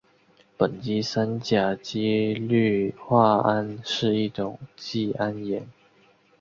苯基三甲基氟化铵是一种季铵盐。